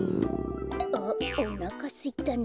あっおなかすいたなあ。